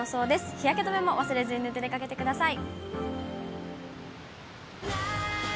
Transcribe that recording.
日焼け止めも忘れずに塗って出かけてください。